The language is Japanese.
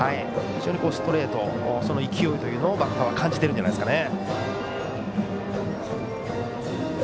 非常にストレートの勢いをバッターは感じているんじゃないですかね。